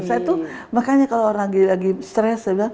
saya tuh makanya kalau lagi stress